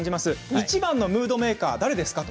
いちばんのムードメーカーは誰ですか。